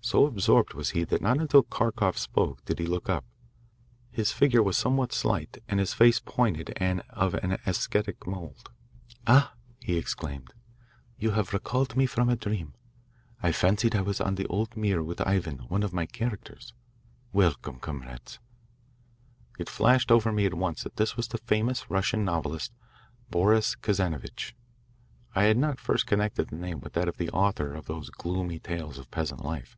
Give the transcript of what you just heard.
So absorbed was he that not until Kharkoff spoke did he look up. His figure was somewhat slight and his face pointed and of an ascetic mould. "Ah!" he exclaimed. "You have recalled me from a dream. I fancied I was on the old mir with Ivan, one of my characters. Welcome, comrades." It flashed over me at once that this was the famous Russian novelist, Boris Kazanovitch. I had not at first connected the name with that of the author of those gloomy tales of peasant life.